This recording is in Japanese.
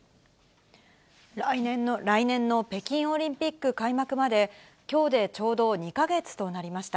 来年の北京オリンピック開幕まで、きょうでちょうど２か月となりました。